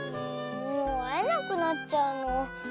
もうあえなくなっちゃうの。